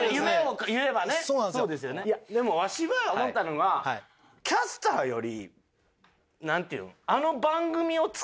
いやでもわしは思ったのがキャスターよりなんて言うん？